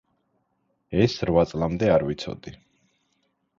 ეს რვა წლამდე არ ვიცოდი